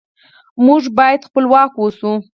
موږ باید خپلواک اوسو.